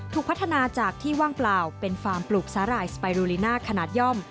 พัฒนาจากที่ว่างเปล่าเป็นฟาร์มปลูกสาหร่ายสไปรูลิน่าขนาดย่อม